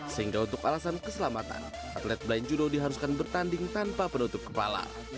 sehingga untuk alasan keselamatan atlet blind judo diharuskan bertanding tanpa penutup kepala